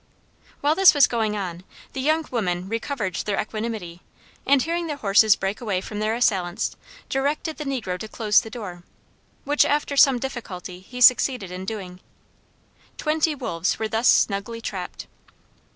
While this was going on, the young women recovered their equanimity, and hearing the horses break away from their assailants, directed the negro to close the door; which after some difficulty he succeeded in doing. Twenty wolves were thus snugly trapped.